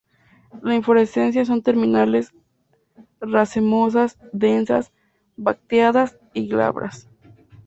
Las inflorescencias son terminales, racemosas, densas, bracteadas y glabras.